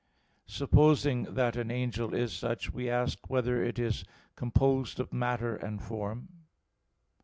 (2) Supposing that an angel is such, we ask whether it is composed of matter and form?